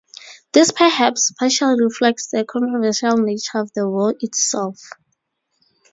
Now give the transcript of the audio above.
This perhaps partially reflects the controversial nature of the war itself.